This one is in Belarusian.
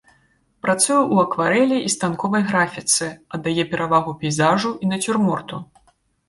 Працуе ў акварэлі і станковай графіцы, аддае перавагу пейзажу і нацюрморту.